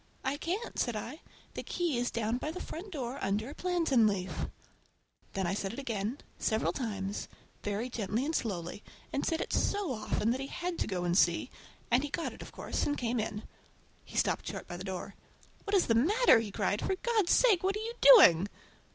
"I can't," said I. "The key is down by the front door under a plantain leaf!" And then I said it again, several times, very gently and slowly, and said it so often that he had to go and see, and he got it, of course, and came in. He stopped short by the door. "What is the matter?" he cried. "For God's sake, what are you doing!"